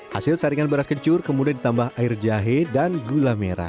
hasil saringan beras kencur kemudian ditambah air jahe dan gula merah